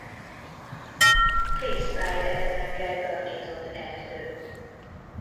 Freestyle elemekkel tarkított erdő.